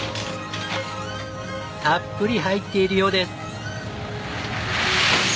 たっぷり入っているようです。